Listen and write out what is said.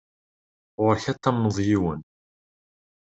Ɣuṛ-k ad tamneḍ yiwen.